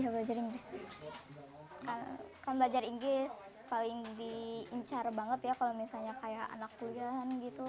belajar inggris paling diincar banget ya kalau misalnya kayak anak kuliahan gitu